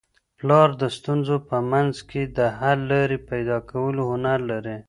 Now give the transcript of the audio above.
پلار د ستونزو په منځ کي د حل لاري پیدا کولو هنر لري.